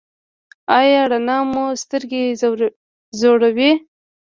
ایا رڼا مو سترګې ځوروي؟